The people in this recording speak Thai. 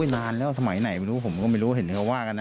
นานแล้วสมัยไหนไม่รู้ผมก็ไม่รู้เห็นที่เขาว่ากันนะ